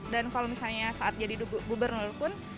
dan kalau misalnya saat jadi gubernur pun